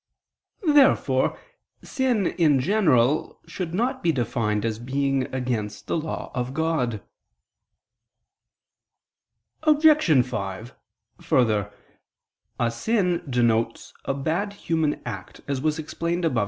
Therefore sin in general should not be defined as being against the law of God. Obj. 5: Further, a sin denotes a bad human act, as was explained above (A.